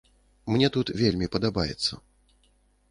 Мне тут вельмі падабаецца.